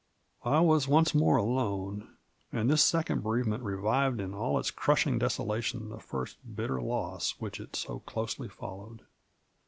I was once more alone, and this second bereavement revived in all its crushing desolation the first bitter loss which it so closely followed.